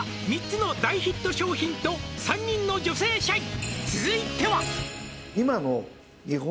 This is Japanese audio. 「３つの大ヒット商品と３人の女性社員」